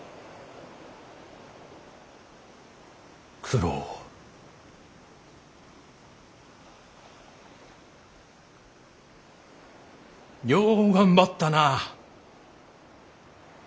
九郎よう頑張ったなあ。